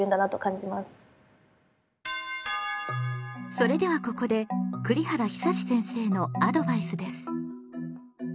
それではここで栗原久先生のアドバイスです。